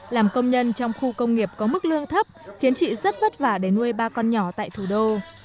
làm công nhân trong khu công nghiệp có mức lương thấp khiến chị rất vất vả để nuôi ba con nhỏ tại thủ đô